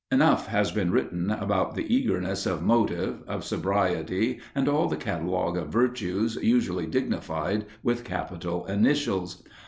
Enough has been written upon the earnestness of motive, of sobriety and all the catalogue of virtues usually dignified with capital initials.